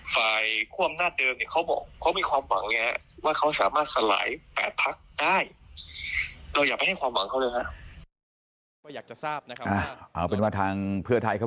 ฝ่ายความน่าเดิมเขามีความหวังว่าเขาสามารถสลายแปดพักได้เราอยากให้ความหวังเขาเลยนะครับ